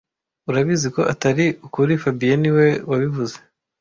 Urabizi ko atari ukuri fabien niwe wabivuze